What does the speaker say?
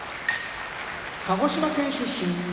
鹿児島県出身